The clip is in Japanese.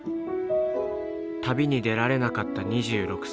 旅に出られなかった２６歳。